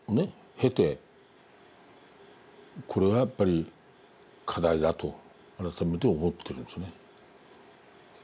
経てこれはやっぱり課題だと改めて思ってるんですね。